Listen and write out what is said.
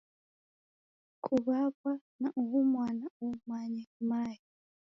Kuw'aw'a kwa uhu mwana umanye ni mae.